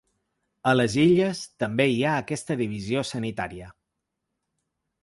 A les Illes, també hi ha aquesta divisió sanitària.